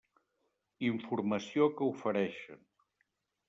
Informació que oferixen.